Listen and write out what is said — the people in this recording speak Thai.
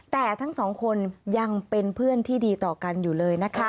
แต่ทั้งสองคนยังเป็นเพื่อนที่ดีต่อกันอยู่เลยนะคะ